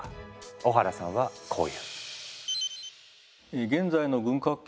小原さんはこう言う。